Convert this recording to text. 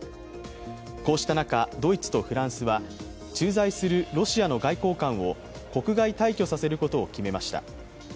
こうした中、ドイツとフランスは駐在するロシアの外交官を国外退去させることを決めました。